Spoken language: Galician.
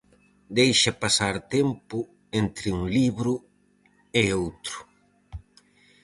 Deixa pasar tempo entre un libro e outro.